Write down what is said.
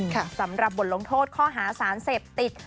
ขอสำรับบทโทษข้อหาศาลเสพติด